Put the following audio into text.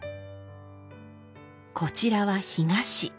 こちらは干菓子。